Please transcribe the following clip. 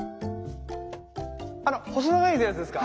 あの細長いやつですか？